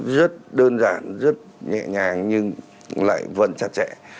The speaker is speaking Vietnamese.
rất đơn giản rất nhẹ nhàng nhưng lại vẫn chặt chẽ